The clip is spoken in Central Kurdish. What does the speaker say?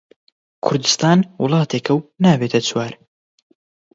کوردستان وڵاتێکە و نابێتە چوار